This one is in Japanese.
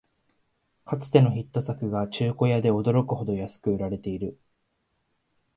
かつてのヒット作が中古屋で驚くほど安く売られてる